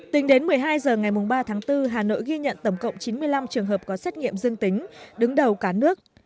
tính đến một mươi hai h ngày ba tháng bốn hà nội ghi nhận tổng cộng chín mươi năm trường hợp có xét nghiệm dương tính đứng đầu cả nước